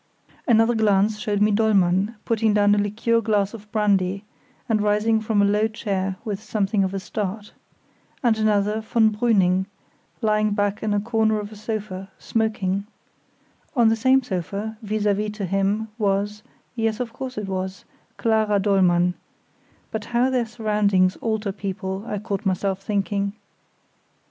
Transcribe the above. Another glance showed me Dollmann putting down a liqueur glass of brandy, and rising from a low chair with something of a start; and another, von Brüning, lying back in a corner of a sofa, smoking; on the same sofa, vis à vis to him, was—yes, of course it was—Clara Dollmann; but how their surroundings alter people, I caught myself thinking.